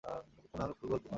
Kunal football খুব ভালবাসে।